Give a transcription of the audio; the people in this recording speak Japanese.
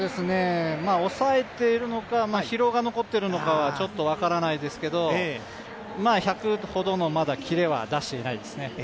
抑えているのか、疲労が残っているのかはちょっと分からないですけど１００ほどのまだキレは出していないですね。